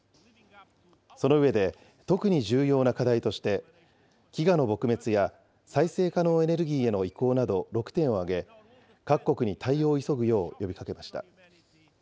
その上で、特に重要な課題として飢餓の撲滅や再生可能エネルギーへの移行など６点を挙げ、各国に対応を急ぐよう呼びかけました。